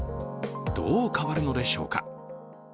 どう変わるのでしょうか。